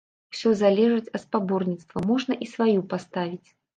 Усё залежыць ад спаборніцтваў, можна і сваю паставіць.